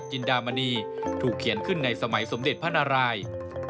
จินดามณีถูกเขียนขึ้นในสมัยสมเด็จพระนาราย